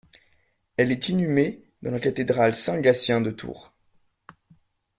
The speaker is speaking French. Elle est inhumée dans la cathédrale Saint-Gatien de Tours.